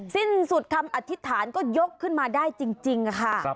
สิ้นสุดคำอธิษฐานก็ยกขึ้นมาได้จริงค่ะ